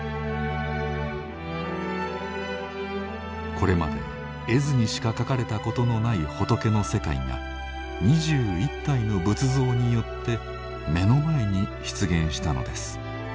これまで絵図にしか描かれたことのない仏の世界が２１体の仏像によって目の前に出現したのです。